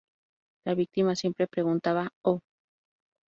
La víctima siempre preguntaba ""¡Oh!